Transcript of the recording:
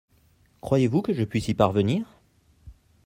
Croyez-vous que je puisse y parvenir ?